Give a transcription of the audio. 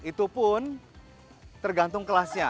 itu pun tergantung kelasnya